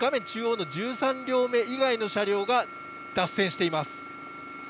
中央の１３両目以外の車両が脱線しています。